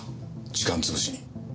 時間潰しに。